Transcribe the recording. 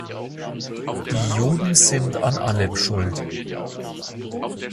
Die Juden sind an allem schuld!